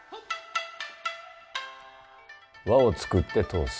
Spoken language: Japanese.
輪を作って通す。